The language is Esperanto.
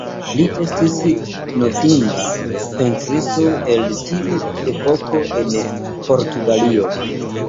Li estis notinda pentristo el tiu epoko en Portugalio.